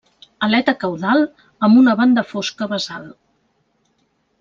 Aleta caudal amb una banda fosca basal.